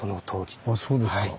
あそうですか。